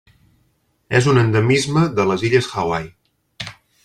És un endemisme de les Illes Hawaii.